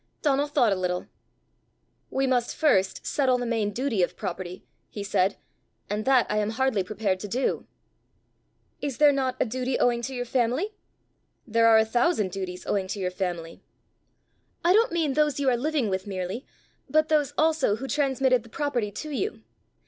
Donal thought a little. "We must first settle the main duty of property," he said; "and that I am hardly prepared to do." "Is there not a duty owing to your family?" "There are a thousand duties owing to your family." "I don't mean those you are living with merely, but those also who transmitted the property to you.